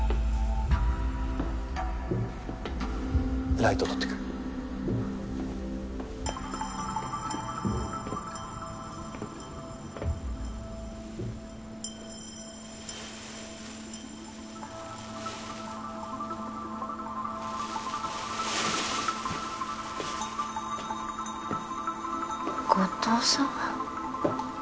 ライト取ってくる後藤さん？